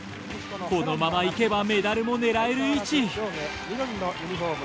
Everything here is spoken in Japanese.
このまま行けばメダルも狙える位置。